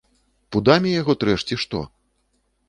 Пудамі яго трэш, ці што?